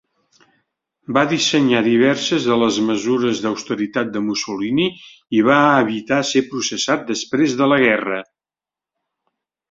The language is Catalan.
Va dissenyar diverses de les mesures d'austeritat de Mussolini i va evitar ser processat després de la guerra.